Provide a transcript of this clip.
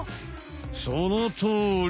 そのとおり！